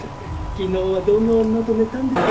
昨日はどの女と寝たんですか？